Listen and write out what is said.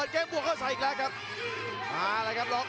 แชลเบียนชาวเล็ก